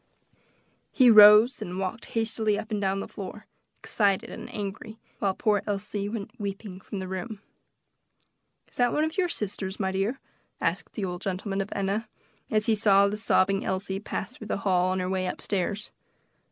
He rose and walked hastily up and down the floor, excited and angry, while poor Elsie went weeping from the room. "Is that one of your sisters, my dear?" asked the old gentleman of Enna, as he saw the sobbing Elsie pass through the hall, on her way up stairs.